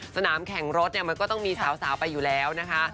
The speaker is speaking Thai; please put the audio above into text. สนามแข่งรถเนี่ยมันก็ต้องมีสาวไปอยู่แล้วนะคะ